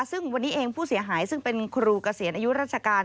ซึ่งวันนี้เองผู้เสียหายซึ่งเป็นครูเกษียณอายุราชการ